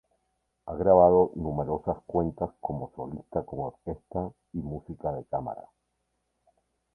Ha grabado numerosas obras como solista con orquesta y música de cámara.